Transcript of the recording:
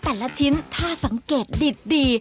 แต่ละชิ้นถ้าสังเกตดี